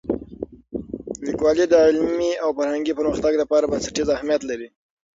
لیکوالی د علمي او فرهنګي پرمختګ لپاره بنسټیز اهمیت لري.